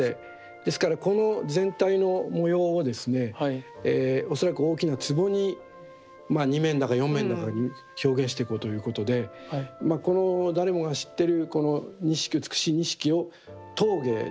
ですからこの全体の模様をですね恐らく大きなつぼに２面だか４面だかに表現していこうということでこの誰もが知ってるこの錦美しい錦を陶芸ですね